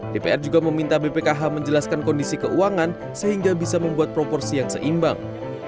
dpr juga meminta bpkh menjelaskan kondisi keuangan sehingga bisa membuat proporsi yang seimbang